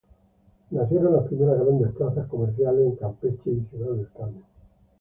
Nacieron las primeras grandes Plazas Comerciales en Campeche y Ciudad del Carmen.